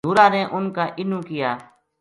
نُورا نے اُن کا اِنو کیا